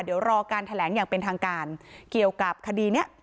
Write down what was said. เดี๋ยวรอการแถลงอย่างเป็นทางการเกี่ยวกับคดีเนี้ย